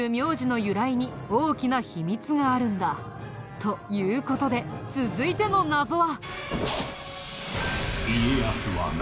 という事で続いての謎は。